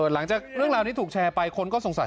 หลังจากเรื่องราวนี้ถูกแชร์ไปคนก็สงสัย